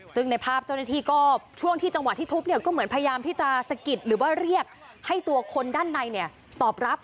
ซึ่งในภาพเจ้าหน้าที่ก็ช่วงที่จังหวะที่ทุบเนี่ยก็เหมือนพยายามที่จะสะกิดหรือว่าเรียกให้ตัวคนด้านในตอบรับ